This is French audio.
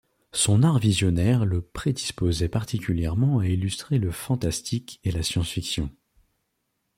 Son art visionnaire le prédisposait particulièrement à illustrer le fantastique et la science-fiction.